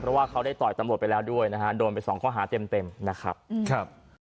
เพราะว่าเขาได้ต่อยตำรวจไปแล้วด้วยนะฮะโดนไปสองข้อหาเต็มเต็มนะครับครับ